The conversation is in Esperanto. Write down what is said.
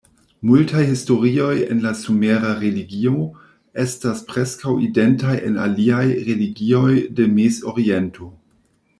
Multaj historioj en la sumera religio estas preskaŭ identaj en aliaj religioj de Mezoriento.